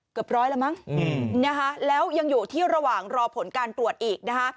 เกือบร้อยแล้วมั้งนะคะแล้วยังอยู่ที่ระหว่างรอผลการตรวจอีกนะคะ